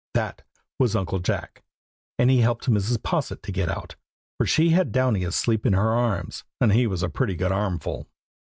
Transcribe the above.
That was Uncle Jack; and he helped Mrs. Posset to get out, for she had Downy asleep in her arms, and he was a pretty good armful.